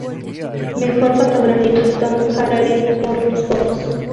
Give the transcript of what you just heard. Mejor Fotografía: Tom Harari, por Los votos.